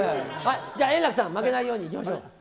じゃあ円楽さん、負けないようにいきましょう。